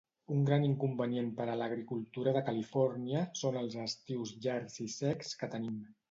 Un gran inconvenient per a l'agricultura de Califòrnia són els estius llargs i secs que tenim.